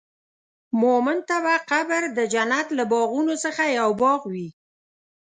مؤمن ته به قبر د جنت له باغونو څخه یو باغ وي.